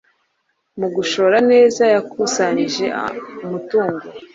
Mu gushora neza, yakusanyije umutungo.